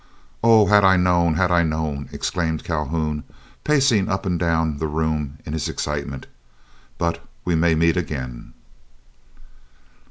"Oh! had I known! had I known!" exclaimed Calhoun, pacing up and down the room in his excitement; "but we may meet again."